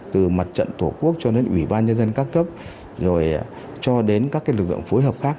từ mặt trận tổ quốc cho đến ủy ban nhân dân các cấp rồi cho đến các lực lượng phối hợp khác